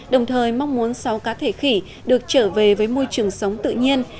đồng thời mong muốn sáu cá thể khỉ được trở về với môi trường sống tự nhiên